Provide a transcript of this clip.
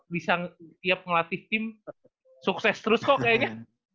bisa tiap ngelatih tim sukses terus kok kayaknya